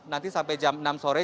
nanti sampai jam enam sore